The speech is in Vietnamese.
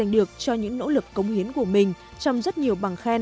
được rất là nhiều